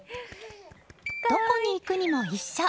どこに行くにも一緒。